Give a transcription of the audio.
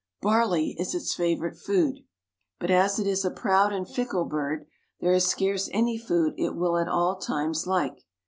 Barley is its favorite food, but as it is a proud and fickle bird there is scarce any food it will at all times like.